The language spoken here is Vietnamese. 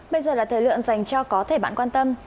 bây giờ là thời lượng dành cho có thể bạn quan tâm